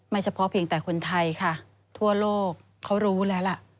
เฉพาะเพียงแต่คนไทยค่ะทั่วโลกเขารู้แล้วล่ะ